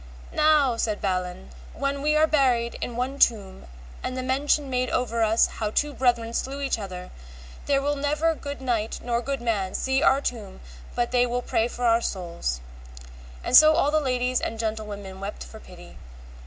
Now, said Balin, when we are buried in one tomb, and the mention made over us how two brethren slew each other, there will never good knight, nor good man, see our tomb but they will pray for our souls. And so all the ladies and gentlewomen wept for pity.